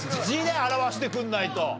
字で表してくれないと。